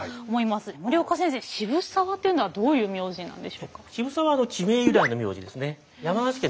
森岡先生渋沢というのはどういう名字なんでしょうか？